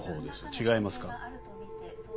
違いますか？